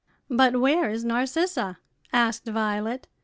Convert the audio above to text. "But where is Narcissa?" asked Violet.